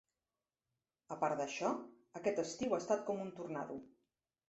A part d'això, aquest estiu ha estat com un tornado.